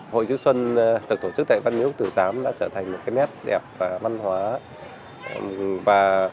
hội chữ xuân được tổ chức tại văn miếu quốc tử giám đã trở thành một nét đẹp và văn hóa